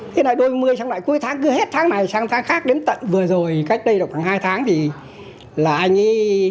thế là đôi mươi sang lại cuối tháng cứ hết tháng này sang tháng khác đến tận vừa rồi cách đây được khoảng hai tháng thì là anh ấy